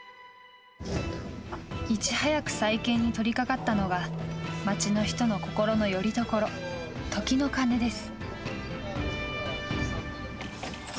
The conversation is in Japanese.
いち早く再建に取りかかったのが町の人の心のよりどころ、時の鐘です。